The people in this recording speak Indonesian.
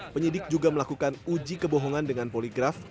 penyidik juga melakukan uji kebohongan dengan poligraf